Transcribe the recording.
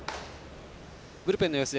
ブルペンの様子